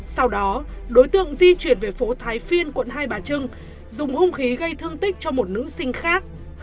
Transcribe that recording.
sau đó đối tượng di chuyển về phố thái phiên quận hai bà trưng dùng hung khí gây thương tích cho một nữ sinh khác